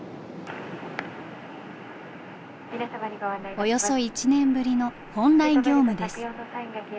およそ１年ぶりの本来業務です。